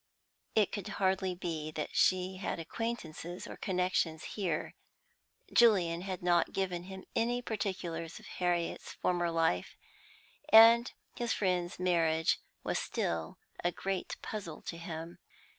It could hardly be that she had acquaintances or connections here. Julian had not given him any particulars of Harriet's former life, and his friend's marriage was still a great puzzle to him.